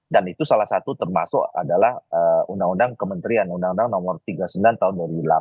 dan itu salah satu termasuk adalah undang undang kementerian undang undang nomor tiga puluh sembilan tahun dua ribu delapan